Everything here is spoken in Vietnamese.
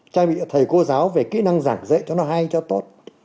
trang bị thầy cô giáo về kỹ năng giảng dạy cho nó hay cho tốt